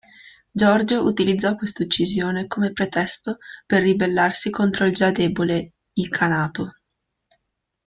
Giorgio utilizzò quest'uccisione come pretesto per ribellarsi contro il già debole Ilkhanato.